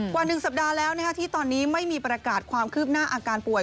กว่า๑สัปดาห์แล้วที่ตอนนี้ไม่มีประกาศความคืบหน้าอาการป่วย